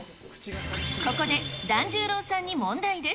ここで團十郎さんに問題です。